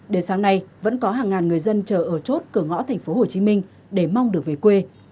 đến sáng nay vẫn có hàng ngàn người dân chờ ở chốt cửa ngõ thành phố hồ chí minh để mong được về quê